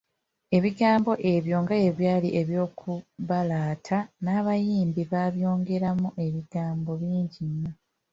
Ebigambo ebyo nga bwe byali eby'okubalaata, n'abayimbi babyongerako ebigambo bingi nnyo.